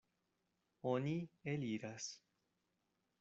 Oni eliras.